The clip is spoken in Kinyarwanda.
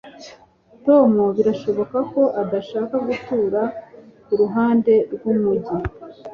tom birashoboka ko adashaka gutura kuruhande rwumujyi